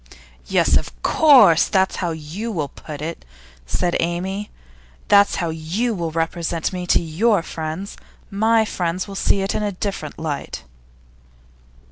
'Yes, of course, that's how you will put it,' said Amy. 'That's how you will represent me to your friends. My friends will see it in a different light.